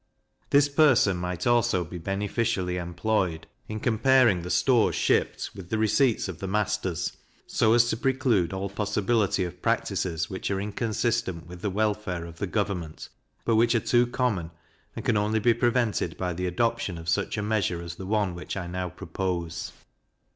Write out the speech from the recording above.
This person might also be beneficially employed in comparing the stores shipped with the receipts of the masters, so as to preclude all possibility of practices which are inconsistent with the welfare of the government, but which are too common, and can only be prevented by the adoption of such a measure as the one which I now propose.